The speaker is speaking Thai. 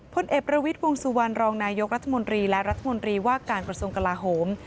พลเอกประวิทย์วงสุวรรณรองนายกรัฐมนตรีและรัฐมนตรีว่าการกระทรวงกลาโหม